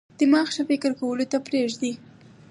دماغ ښه فکر کولو ته پریږدي.